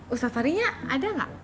ustadz fahri nya ada gak